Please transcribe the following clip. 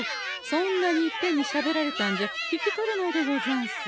そんなにいっぺんにしゃべられたんじゃ聞き取れないでござんす。